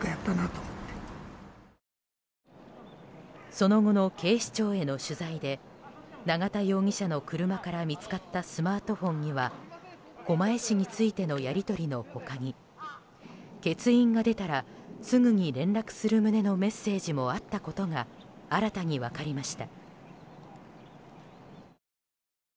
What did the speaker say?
その後の警視庁への取材で永田容疑者の車から見つかったスマートフォンには狛江市についてのやり取りの他に欠員が出たらすぐに連絡する旨のメッセージもあったことが新たに分かりました。